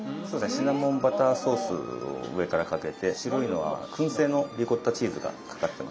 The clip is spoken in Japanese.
シナモンバターソースを上からかけて白いのはくん製のリコッタチーズがかかってます。